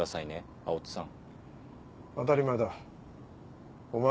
青砥さん